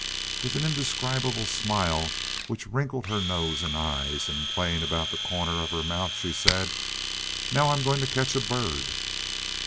With an indescribable smile which wrinkled her nose and eyes, and played about the corners of her mouth, she said: "Now I am going to catch a bird."